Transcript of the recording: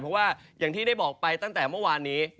เพราะว่าอย่างที่ได้บอกไปตั้งแต่เมื่อวานนี้